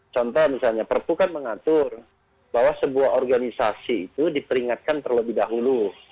contoh misalnya perpu kan mengatur bahwa sebuah organisasi itu diperingatkan terlebih dahulu